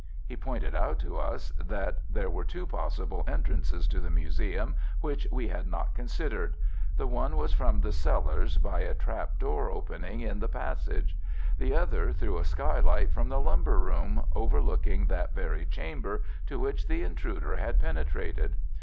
He pointed out to us that there were two possible entrances to the museum which we had not considered. The one was from the cellars by a trap door opening in the passage. The other through a skylight from the lumber room, overlooking that very chamber to which the intruder had penetrated.